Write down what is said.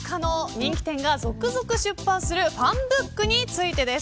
人気店が続々出版するファンブックについてです。